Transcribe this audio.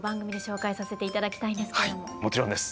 もちろんです。